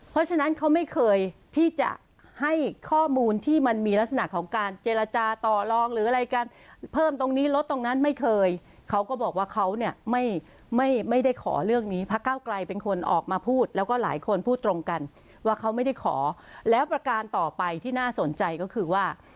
เพราะฉะนั้นเขาไม่เคยที่จะให้ข้อมูลที่มันมีลักษณะของการเจรจาต่อลองหรืออะไรกันเพิ่มตรงนี้ลดตรงนั้นไม่เคยเขาก็บอกว่าเขาเนี่ยไม่ไม่ได้ขอเรื่องนี้พระเก้าไกลเป็นคนออกมาพูดแล้วก็หลายคนพูดตรงกันว่าเขาไม่ได้ขอแล้วประการต่อไปที่น่าสนใจก็คือว่า